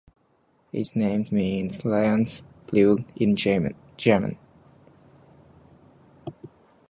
Its name means "lion's brew" in German.